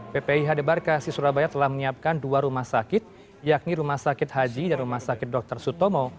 ppi hd barkasi surabaya telah menyiapkan dua rumah sakit yakni rumah sakit haji dan rumah sakit dokter sutomo